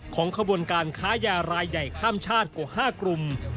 ขบวนการค้ายารายใหญ่ข้ามชาติกว่า๕กลุ่ม